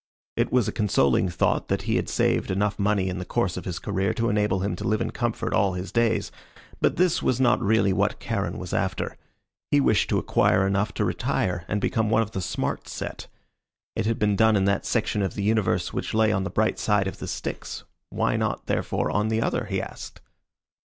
It was a consoling thought that he had saved enough money in the course of his career to enable him to live in comfort all his days, but this was not really what Charon was after. He wished to acquire enough to retire and become one of the smart set. It had been done in that section of the universe which lay on the bright side of the Styx, why not, therefore, on the other, he asked.